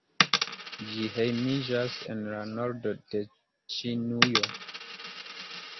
Ĝi hejmiĝas en la nordo de Ĉinujo.